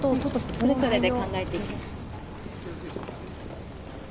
それぞれで考えていきます。